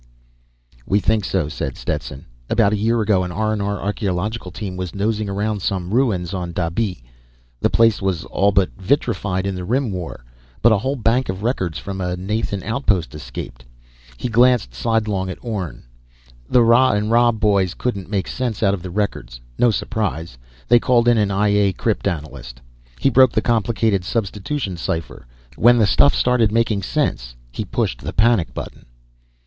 "We think so," said Stetson. "About a year ago, an R&R archeological team was nosing around some ruins on Dabih. The place was all but vitrified in the Rim War, but a whole bank of records from a Nathian outpost escaped." He glanced sidelong at Orne. "The Rah&Rah boys couldn't make sense out of the records. No surprise. They called in an I A crypt analyst. He broke a complicated substitution cipher. When the stuff started making sense he pushed the panic button."